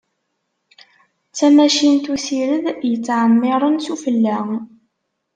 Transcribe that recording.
D tamacint usired yettεemmiren sufella.